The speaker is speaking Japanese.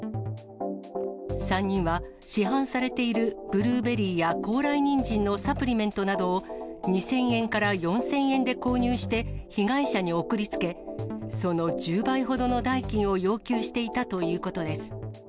３人は市販されているブルーベリーや高麗人参のサプリメントなどを、２０００円から４０００円で購入して、被害者に送りつけ、その１０倍ほどの代金を要求していたということです。